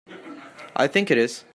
I think it is.